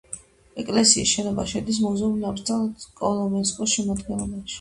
ეკლესიის შენობა შედის მუზეუმ-ნაკრძალ კოლომენსკოეს შემადგენლობაში.